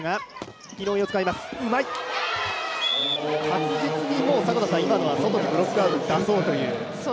確実に今のは外にブロックを出そうという。